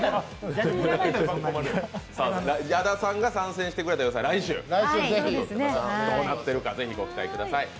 矢田さんが参戦してくれた来週、どうなっているか、ぜひご期待ください。